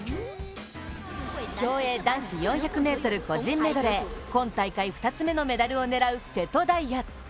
競泳男子４００ｍ個人メドレー、今大会２つ目のメダルを狙う瀬戸大也。